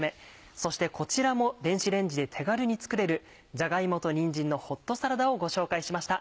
そしてこちらも電子レンジで手軽に作れる「じゃがい芋とにんじんのホットサラダ」をご紹介しました。